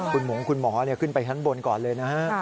คุณหงคุณหมอขึ้นไปชั้นบนก่อนเลยนะฮะ